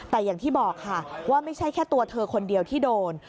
แต่อย่างที่บอกค่ะว่าไม่ใช่แค่ตัวเธอคนเดียวที่โดน